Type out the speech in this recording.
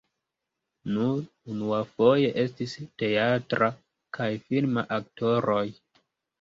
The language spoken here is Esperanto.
Nur unuafoje estis teatra kaj filma aktoroj.